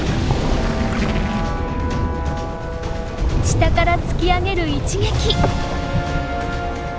下から突き上げる一撃！